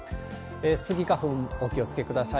スギ花粉、お気をつけください。